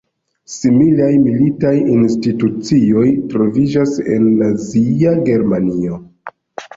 Similaj militaj institucioj troviĝis en nazia Germanio.